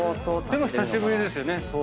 でも久しぶりですよね。